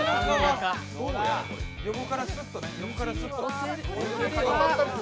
横からスッとね。